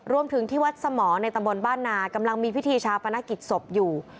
รวมถึงที่วัดสมรในตำบลบ้านนากำลังมีพิธีชาปนกิจศพอยู่